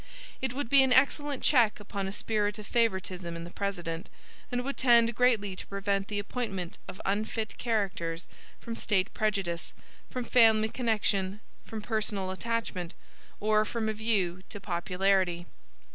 It would be an excellent check upon a spirit of favoritism in the President, and would tend greatly to prevent the appointment of unfit characters from State prejudice, from family connection, from personal attachment, or from a view to popularity.